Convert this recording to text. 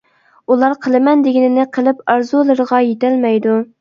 ئۇلار قىلىمەن دېگىنىنى قىلىپ، ئارزۇلىرىغا يېتەلمەيدۇ.